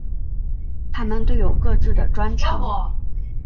他们都有各自的专长。